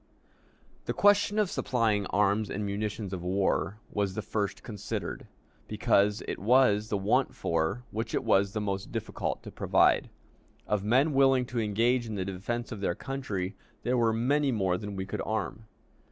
The question of supplying arms and munitions of war was the first considered, because it was the want for which it was the most difficult to provide. Of men willing to engage in the defense of their country, there were many more than we could arm.